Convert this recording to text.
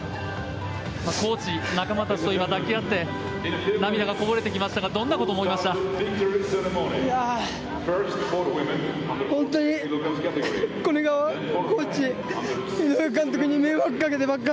コーチ、仲間たちと抱き合って涙がこぼれてきましたがどんなことを思いましたか。